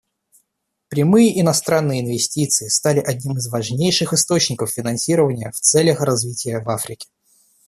Прямые иностранные инвестиции стали одним из важнейших источников финансирования в целях развития в Африке.